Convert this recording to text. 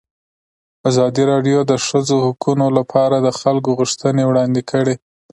ازادي راډیو د د ښځو حقونه لپاره د خلکو غوښتنې وړاندې کړي.